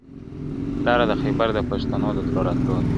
لاره د خیبر، د پښتنو د تلو راتللو ده،